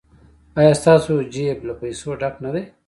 ایا ستاسو جیب له پیسو ډک نه دی؟